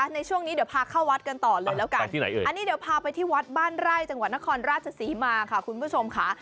ในช่วงนี้เดี๋ยวพาเข้าวัดกันต่อเลยแล้วกันอันนี้เดี๋ยวพาไปที่วัดบ้านไร่จังหวัดนครราชศรีมาค่ะคุณผู้ชมค่ะ